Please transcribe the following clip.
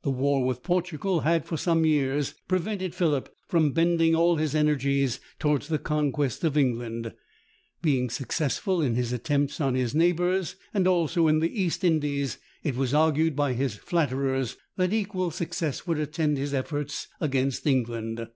The war with Portugal had, for some years, prevented Philip from bending all his energies towards the conquest of England. Being successful in his attempts on his neighbours, and also in the East Indies, it was argued by his flatterers that equal success would attend his efforts against England.